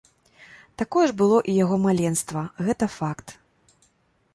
Такое ж было і яго маленства, гэта факт.